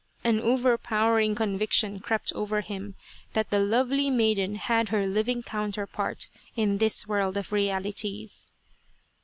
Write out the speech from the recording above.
An overpowering conviction crept over him that the lovely maiden had her living counterpart in this world of realities.